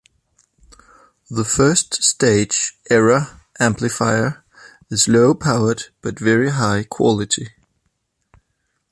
The first stage 'error' amplifier is low powered but very high quality.